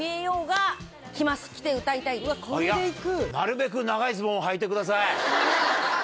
これでいく？